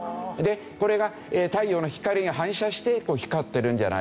これが太陽の光が反射して光ってるんじゃないか。